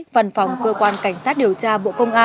văn phòng cơ quan cảnh sát điều tra bộ công an